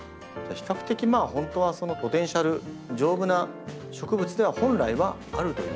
比較的まあ本当はそのポテンシャル丈夫な植物では本来はあるという。